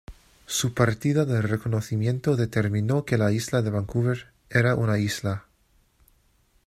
Su partida de reconocimiento determinó que la isla de Vancouver era una isla.